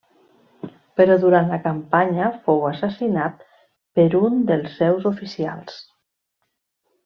Però durant la campanya fou assassinat per un dels seus oficials.